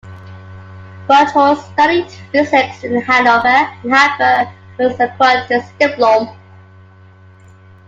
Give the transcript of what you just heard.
Buchholz studied physics in Hannover and Hamburg where he acquired his Diplom.